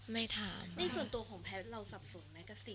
ไม่ถาม